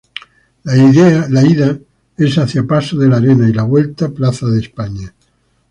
La ida es hacia Paso de la Arena y la vuelta Plaza España.